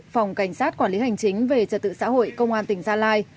phòng cảnh sát quản lý hành chính về trật tự xã hội công an tỉnh gia lai